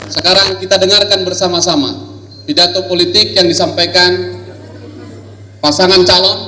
sekarang kita dengarkan bersama sama pidato politik yang disampaikan pasangan calon